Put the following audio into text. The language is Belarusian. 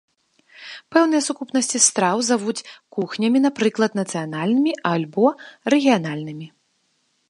Пэўныя сукупнасці страў завуць кухнямі, напрыклад нацыянальнымі або рэгіянальнымі.